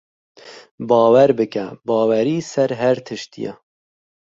Bawer bike, bawerî ser her tiştî ye.